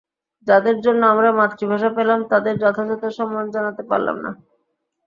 যাঁদের জন্য আমরা মাতৃভাষা পেলাম, তাঁদের যথাযথ সম্মান জানাতে পারলাম না।